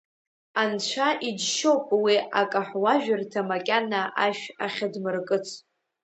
Анцәа иџьшьоуп уи акаҳуажәырҭа макьана ашә ахьадмыркыц.